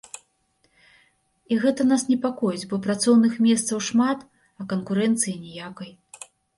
І гэта нас непакоіць, бо працоўных месцаў шмат, а канкурэнцыі ніякай.